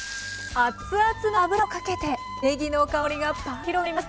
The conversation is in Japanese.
熱々の油をかけてねぎの香りがパーッと広がります。